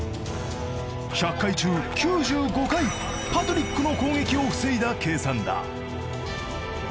１００回中９５回パトリックの攻撃を防いだ計算だ。